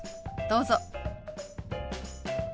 どうぞ。